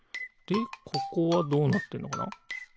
でここはどうなってるのかな？